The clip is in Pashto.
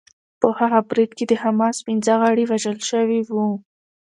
په هغه برید کې د حماس پنځه غړي وژل شوي وو